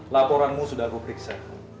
laporanmu sudah aku periksa